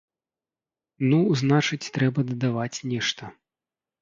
Ну, значыць трэба дадаваць нешта.